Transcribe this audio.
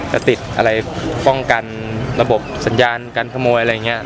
ถึ่งคนติดอะไรผ้องการระบบสัญญาณการขโมยอะไรนี้